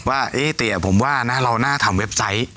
ว่าเตี๋ยผมว่านะเราน่าทำเว็บไซต์